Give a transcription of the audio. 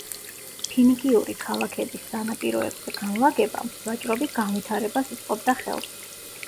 ფინიკიური ქალაქების სანაპიროებზე განლაგება ვაჭრობის განვითარებას უწყობდა ხელს.